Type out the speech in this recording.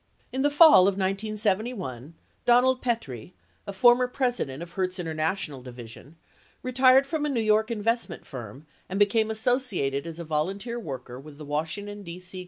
In the fall of 1971, Donald Petrie, a former president of Hertz Inter national Division, retired from a New York investment firm and became associated as a volunteer worker with the Washington, D.C.